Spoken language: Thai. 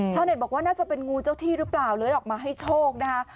บอกว่าน่าจะเป็นงูเจ้าที่หรือเปล่าเลยออกมาให้โชคนะคะ